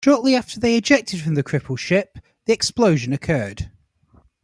Shortly after they ejected from the crippled ship, the explosion occurred.